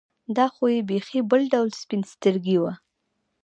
دا خو یې بېخي بل ډول سپین سترګي وه.